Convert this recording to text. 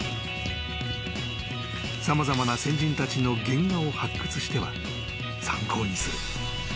［様々な先人たちの原画を発掘しては参考にする］